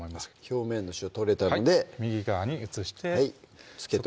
表面の塩取れたので右側に移してつけときます